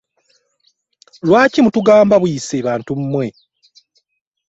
Lwaki mutugamba buyise bantu mmwe?